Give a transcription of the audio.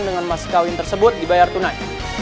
dengan emas kawin tersebut dibayar tunai